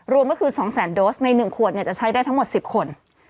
รวมก็คือ๒แสนโดสใน๑ขวดจะใช้ได้ทั้งหมด๑๐คน